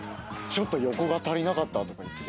ちょっと横が足りなかったとか言って。